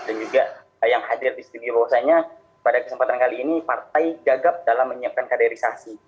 dan juga yang hadir di studio bahwasannya pada kesempatan kali ini partai gagap dalam menyiapkan kaderisasi